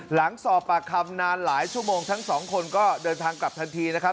หลังสอบปากคำนานหลายชั่วโมงทั้งสองคนก็เดินทางกลับทันทีนะครับ